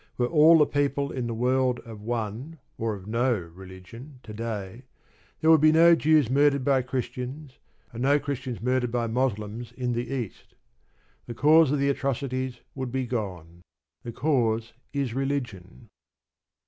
Were all the people in the world of one, or of no, religion to day, there would be no Jews murdered by Christians and no Christians murdered by Moslems in the East. The cause of the atrocities would be gone. The cause is religion.